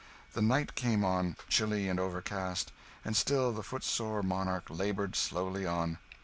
The night came on, chilly and overcast; and still the footsore monarch laboured slowly on.